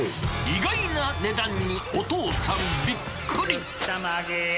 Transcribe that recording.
意外な値段に、お父さんびっくり。